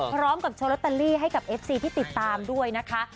โชว์ลอตเตอรี่ให้กับเอฟซีที่ติดตามด้วยนะคะ